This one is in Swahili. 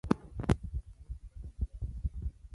Mweusi kama makaa.